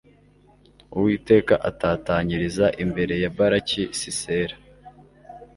uwiteka atatanyiriza imbere ya baraki sisera